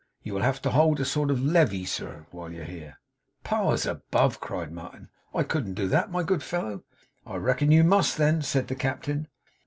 You will have to hold a sort of le vee, sir, while you're here.' 'Powers above!' cried Martin, 'I couldn't do that, my good fellow!' 'I reckon you MUST then,' said the Captain.